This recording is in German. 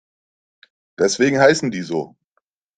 Deswegen heißen die so.